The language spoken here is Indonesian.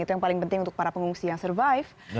itu adalah hal yang penting untuk para pengungsi yang survive